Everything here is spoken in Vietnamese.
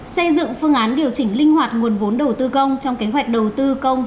xây dựng phương án điều chỉnh linh hoạt nguồn vốn đầu tư công trong kế hoạch đầu tư công